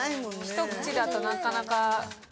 １口だとなかなか。